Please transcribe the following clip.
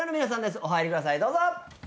お入りくださいどうぞ！